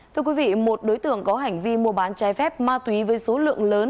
thưa quý vị một đối tượng có hành vi mua bán trái phép ma túy với số lượng lớn